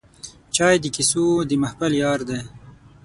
چای د کیسو د محفل یار دی